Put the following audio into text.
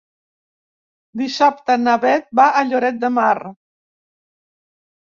Dissabte na Bet va a Lloret de Mar.